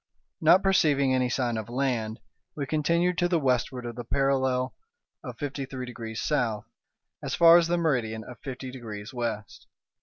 Not perceiving any sign of land, we continued to the westward of the parallel of fifty three degrees south, as far as the meridian of fifty degrees west.